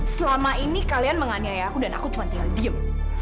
selama ini kalian menganiaya aku dan aku cuma tinggal diem